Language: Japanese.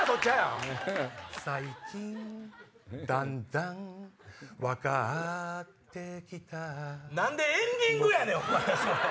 最近だんだんわかってきた何でエンディングやねん！